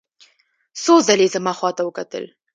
څو ځلې یې زما خواته وکتل.